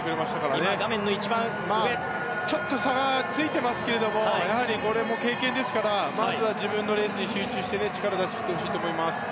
ちょっと差はついていますがこれも経験ですからまずは自分のレースに集中して力を出し切ってほしいと思います。